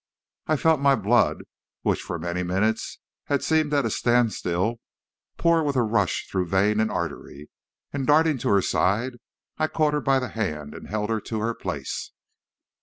"I felt my blood, which for many minutes had seemed at a standstill, pour with a rush through vein and artery, and darting to her side, I caught her by the hand and held her to her place.